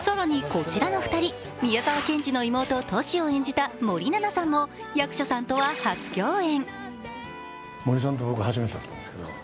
こちらの２人、宮沢賢治の妹・トシを演じた森七菜さんも役所さんとは初共演。